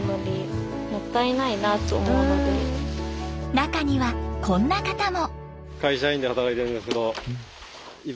中にはこんな方も。